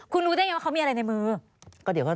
คุณรู้ได้ไงว่าเขามีอะไรในมือ